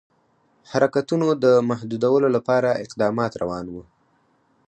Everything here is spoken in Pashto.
حرکتونو د محدودولو لپاره اقدامات روان وه.